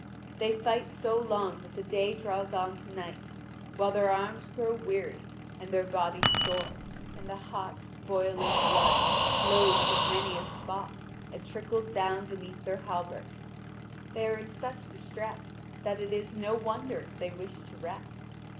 They fight so long that the day draws on to night, while their arms grow weary and their bodies sore, and the hot, boiling blood flows from many a spot and trickles down beneath their hauberks: they are in such distress that it is no wonder if they wish to rest.